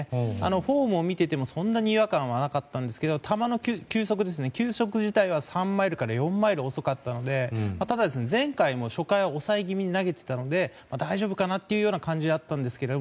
フォームを見ていても、そんなに違和感はなかったんですけど球速自体は３マイルから４マイル遅かったのでただ、前回も初回は抑え気味に投げていたので大丈夫かなというような感じはあったんですけど